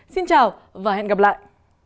xin chào và hẹn gặp lại